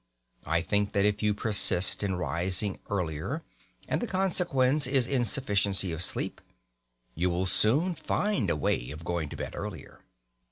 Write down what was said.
I think that if you persist in rising earlier, and the consequence is insufficiency of sleep, you will soon find a way of going to bed earlier.